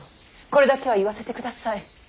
これだけは言わせてください。